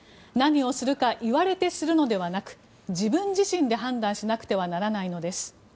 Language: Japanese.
何をするか言われてするのではなく自分自身で判断しなくてはならないのです。